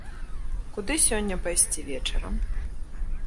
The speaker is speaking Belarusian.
Куды сёння пайсці вечарам?